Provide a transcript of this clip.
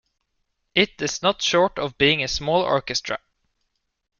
It is not short of being a small orchestra.